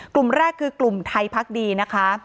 กลุ่มแรกคือกลุ่มไทยพักดีนะคะ